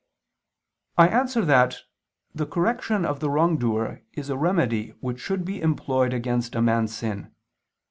I answer that, The correction of the wrongdoer is a remedy which should be employed against a man's sin.